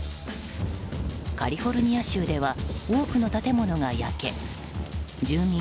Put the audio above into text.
カリフォルニア州では多くの建物が焼け住民